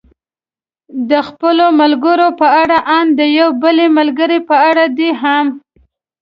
د خپلو ملګرو په اړه، ان د یوې بلې ملګرې په اړه دې هم.